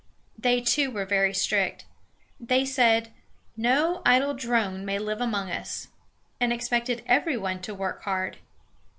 They, too, were very strict. They said, "No idle drone may live among us," and expected every one to work hard.